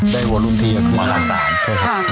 ได้วอลุมทีก็คือมาราศาล